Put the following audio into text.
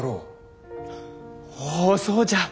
おぉそうじゃ！